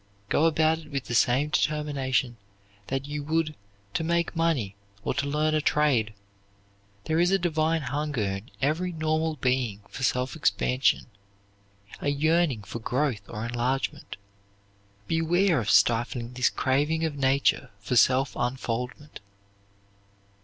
Go about it with the same determination that you would to make money or to learn a trade. There is a divine hunger in every normal being for self expansion, a yearning for growth or enlargement. Beware of stifling this craving of nature for self unfoldment.